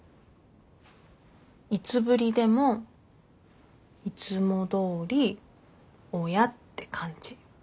いつぶりでもいつもどおり親って感じ。